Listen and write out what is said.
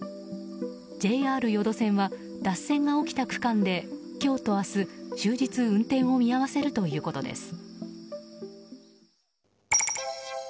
ＪＲ予土線は脱線が起きた区間で今日と明日、終日運転を見合わせるということです。